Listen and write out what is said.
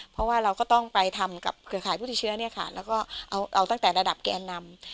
เพราะว่าเราก็ต้องไปทำกับเครือข่ายผู้ติดเชื้อเนี่ยค่ะแล้วก็เอาตั้งแต่ระดับแกนนำ